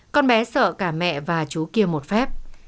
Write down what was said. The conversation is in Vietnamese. con bé sợ cả mẹ và chú kia một phép